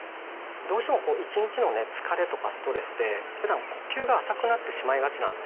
どうしてもこう一日のね疲れとかストレスでふだん呼吸が浅くなってしまいがちなんですよね。